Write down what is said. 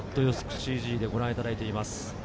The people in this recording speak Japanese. ＣＧでご覧いただいています。